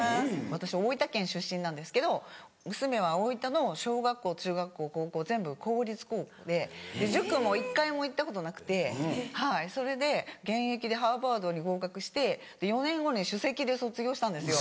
私大分県出身なんですけど娘は大分の小学校中学校高校全部公立校で塾も１回も行ったことなくてそれで現役でハーバードに合格して４年後に首席で卒業したんですよ。